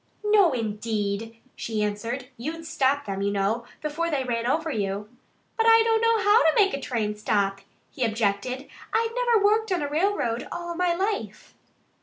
"No, indeed!" she answered. "You'd stop them, you know, before they ran over you." "But I don't know how to make a train stop," he objected. "I've never worked on a railroad in all my life."